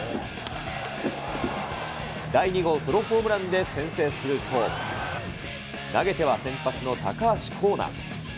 第２号ソロホームランで先制すると、投げては先発の高橋光成。